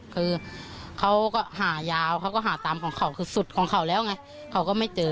คือเขาก็หายาวเขาก็หาตามของเขาคือสุดของเขาแล้วไงเขาก็ไม่เจอ